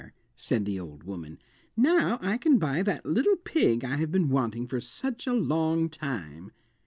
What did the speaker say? said the old woman, "Now I can buy that little pig I have been wanting for such a long time."